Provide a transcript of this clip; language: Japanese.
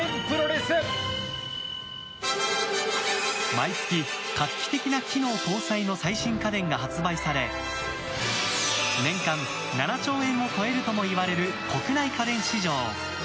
毎月、画期的な機能搭載の最新家電が発売され年間７兆円を超えるともいわれる国内家電市場。